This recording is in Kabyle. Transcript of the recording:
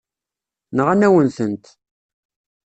Nɣan-awen-tent.